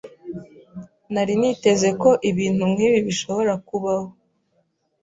Nari niteze ko ibintu nkibi bishobora kubaho.